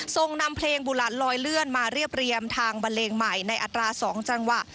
ส่งนำเพลงบุหลานลอยเลื่อนมาเรียบเรียมทางบันเลงใหม่ในอัตรา๒จังหวะ